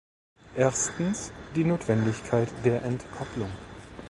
Erstens, die Notwendigkeit der Entkopplung.